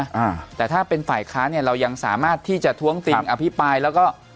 อ่าแต่ถ้าเป็นฝ่ายค้าเนี้ยเรายังสามารถที่จะท้วงติงอภิปรายแล้วก็